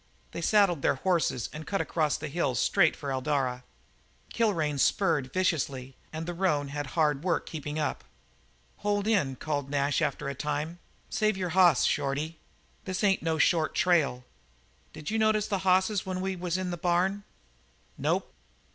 They saddled their horses and cut across the hills straight for Eldara. Kilrain spurred viciously, and the roan had hard work keeping up. "Hold in," called Nash after a time. "Save your hoss, Shorty. This ain't no short trail. D'you notice the hosses when we was in the barn?" "Nope."